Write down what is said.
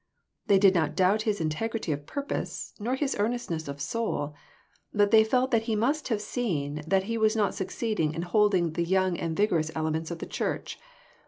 They did not doubt his integrity of purpose, nor his earnestness of soul ; but they felt that he must have seen that he was not succeed ing in holding the young and vigorous elements of the church.